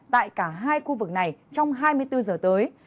tại cả hai khu vực này trong hai mươi bốn giờ tới